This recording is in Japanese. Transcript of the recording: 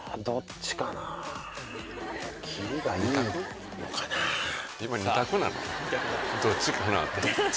どっちかなって。